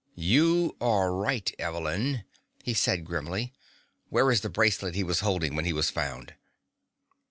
"You are right, Evelyn," he said grimly. "Where is the bracelet he was holding when he was found?"